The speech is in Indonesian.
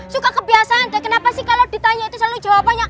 suka kebiasaan deh kenapa sih kalau ditanya itu selalu jawabannya